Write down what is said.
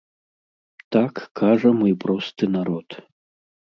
Так кажа мой просты народ.